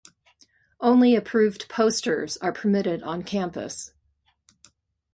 Only approved posters are permitted on campus.